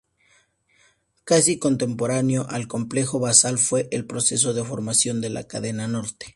Casi contemporáneo al Complejo Basal fue el proceso de formación de la Cadena Norte.